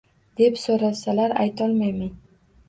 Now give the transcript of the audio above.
Deb so`rasalar, aytolmayman